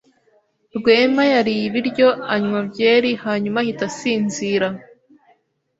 Rwema yariye ibiryo, anywa byeri, hanyuma ahita asinzira.